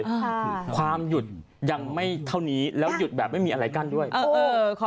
ค่ะความหยุดยังไม่เท่านี้แล้วหยุดแบบไม่มีอะไรกั้นด้วยเออขอ